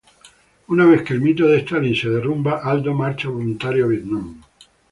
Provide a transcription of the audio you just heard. Una vez que el mito de Stalin se derrumba, Aldo marcha voluntario a Vietnam.